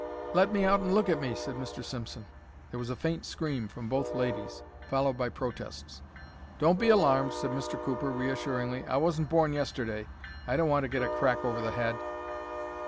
"Let me out and look at me," said Mr. Simpson. There was a faint scream from both ladies, followed by protests. "Don't be alarmed," said Mr. Cooper, reassuringly. "I wasn't born yesterday. I don't want to get a crack over the head."